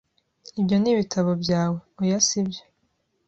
"Ibyo ni ibitabo byawe?" "Oya, si byo."